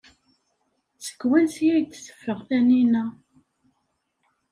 Seg wansi ay d-teffeɣ Taninna?